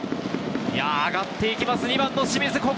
上がっていきます、２番・清水。